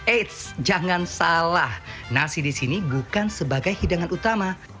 eits jangan salah nasi di sini bukan sebagai hidangan utama